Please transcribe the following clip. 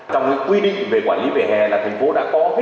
trong cái quy định về quản lý vỉa hè là thành phố đã có hết rồi